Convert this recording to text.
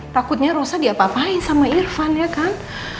takutnya rosa diapa apain sama irfan ya kan